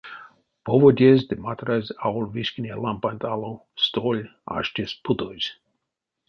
Поводезь ды матразь аволь вишкине лампанть ало столь аштесь путозь.